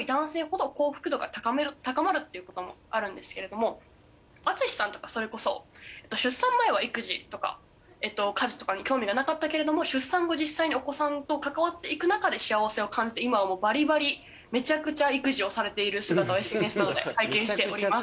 っていうこともあるんですけれども淳さんとかそれこそ出産前は育児とか家事とかに興味がなかったけれども出産後実際にお子さんと関わっていく中で幸せを感じて今はもうバリバリめちゃくちゃ育児をされている姿をＳＮＳなどで拝見しております。